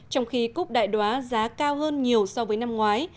trong khi cúp đại đoá giá cao hơn nhiều so với năm ngoái